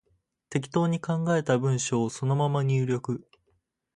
適当に考えた文章をそのまま入力